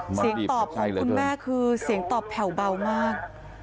เสียงตอบของคุณแม่คือเสียงตอบแผ่วเบามาก